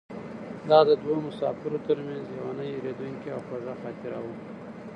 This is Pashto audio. دا د دوو مسافرو تر منځ یوه نه هېرېدونکې او خوږه خاطره وه.